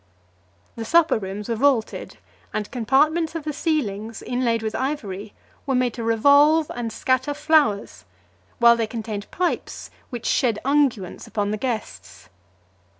The supper rooms were vaulted, and compartments of the ceilings, inlaid with ivory, were made to revolve, and scatter flowers; while they contained pipes which (360) shed unguents upon the guests.